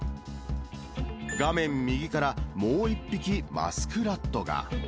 画面右からもう一匹マスクラットが。